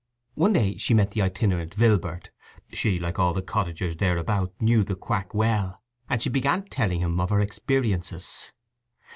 One day she met the itinerant Vilbert. She, like all the cottagers thereabout, knew the quack well, and she began telling him of her experiences.